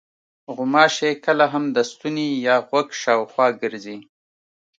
غوماشې کله هم د ستوني یا غوږ شاوخوا ګرځي.